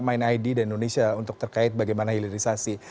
main id dan indonesia untuk terkait bagaimana ilerisasi